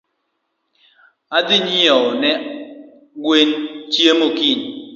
Adhi nyieo ne gwen chiemo kiny.